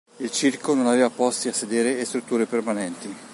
Il circo non aveva posti a sedere e strutture permanenti.